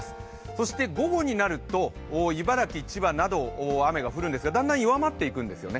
そして午後になると、茨城千葉など雨が降るんですが、だんだん弱まっていくんですよね。